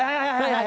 はい。